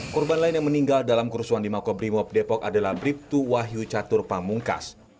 korban lain yang meninggal dalam kerusuhan di makobrimob depok adalah bribtu wahyu catur pamungkas